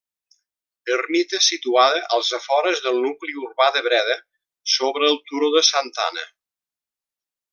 Ermita situada als afores del nucli urbà de Breda, sobre el Turó de Santa Anna.